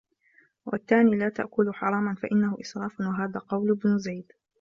وَالثَّانِي لَا تَأْكُلُوا حَرَامًا فَإِنَّهُ إسْرَافٌ وَهَذَا قَوْلُ ابْنِ زَيْدٍ